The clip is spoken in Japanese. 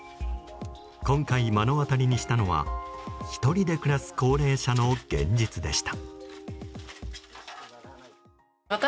今回、目の当たりにしたのは１人で暮らす高齢者の現実でした。